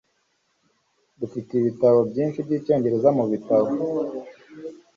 Dufite ibitabo byinshi byicyongereza mubitabo.